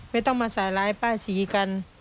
ไม่ต้องมาสายลายป้าศรีกัน